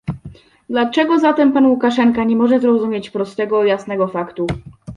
Dlaczego zatem pan Łukaszenka nie może zrozumieć prostego i jasnego faktu